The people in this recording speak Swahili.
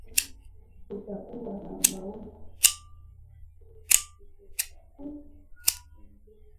Kutakuwa na maono mengi mazuri kutokana na kutembea